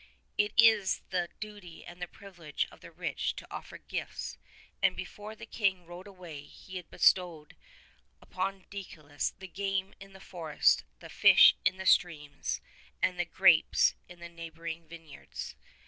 It is the duty and the privilege of the rich to offer gifts, and before 62 the King rode away he had bestowed upon Deicolus the game in the forest, the fish in the streams, and the grapes in the neighboring vineyards.